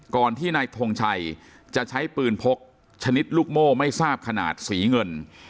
ก่อนที่นายทงชัยจะใช้ปืนพกชนิดลูกโม่ไม่ทราบขนาดสีเงิน